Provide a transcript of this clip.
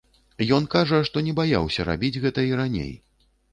Ён кажа, што не баяўся рабіць гэта і раней.